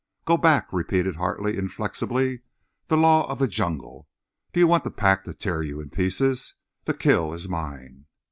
"Go back," repeated Hartley, inflexibly. "The Law of the Jungle. Do you want the Pack to tear you in pieces? The kill is mine."